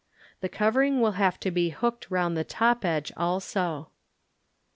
The covering will have to be hooked around the top edge also.